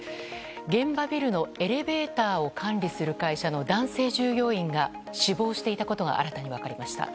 現場ビルのエレベーターを管理する会社の男性従業員が死亡していたことが新たに分かりました。